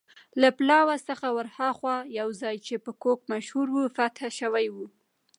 له پلاوا څخه ورهاخوا یو ځای چې په کوک مشهور و، فتح شوی و.